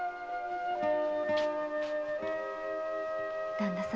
旦那様。